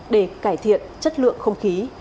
để cải thiện chất lượng không khí